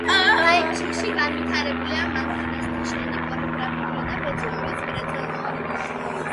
ლაიფციგში განვითარებულია მანქანათსაშენი, პოლიგრაფიული და ბეწვეულის მრეწველობა.